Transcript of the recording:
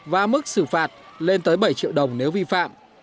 và mức xử phạt lên tới bảy triệu đồng nếu vi phạm